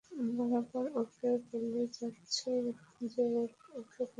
বারবার ওকে বলে যাচ্ছ যে ওর ওকে পছন্দ করতে হবে।